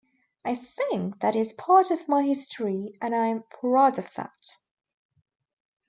I think that is part of my history and I am proud of that.